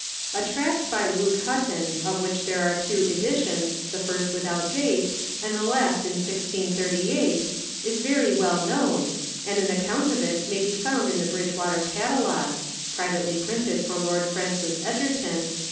A tract by Luke Hutton, of which there were two editions, the first without date, and the last in 1638, is very well known, and an account of it may be found in the Bridgewater Catalogue, (privately printed for Lord Francis Egerton) p.